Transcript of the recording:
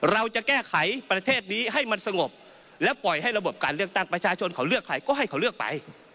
เราจะแก้ไขประเทศนี้ให้มันสงบและปล่อยให้ระบบการเลือกตั้งประชาชนเขาเลือกใครก็ให้เขาเลือกไป